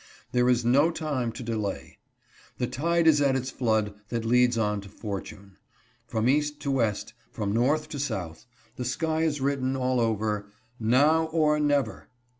There is no time to delay. The tide is at its flood that leads on to fortune. From East to West, from North to South, the sky is written all over, 'Now or never.'